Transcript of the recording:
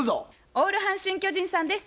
オール阪神・巨人さんです。